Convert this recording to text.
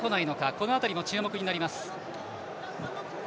この辺りも注目になります。